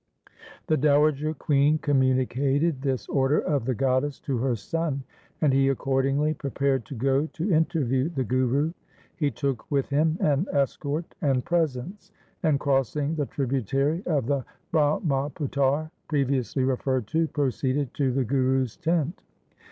The dowager queen communicated this order of the goddess to her son, and he accordingly prepared to LIFE OF GURU TEG BAHADUR 355 go to interview the Guru. He took with him an escort and presents, and, crossing the tributary of the Brahmaputar previously referred to, proceeded to the Guru's tent.